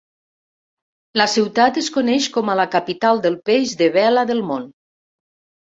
La ciutat es coneix com a la "Capital del peix de vela del món".